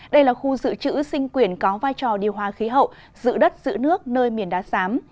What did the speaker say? đây là khu dự trữ sinh quyền có vai trò điều hòa khí hậu giữ đất giữ nước nơi miền đá sám